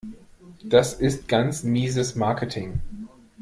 Das ist ganz mieses Marketing.